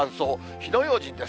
火の用心です。